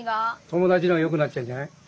友達の方がよくなっちゃうんじゃない？